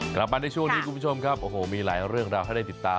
กลับมาในช่วงนี้คุณผู้ชมครับโอ้โหมีหลายเรื่องราวให้ได้ติดตาม